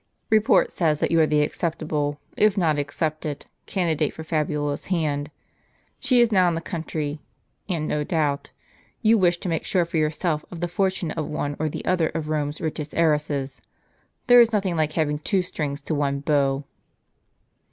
" Report says that you are the acceptable, if not accepted, candidate for Fabiola's hand. She is now in the country ; and, no doubt, you Tvish to make sure for yourself of the fortune of one or the other of Rome's richest heiresses. There is nothing like hav ing two strings to one's bow."